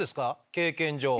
経験上。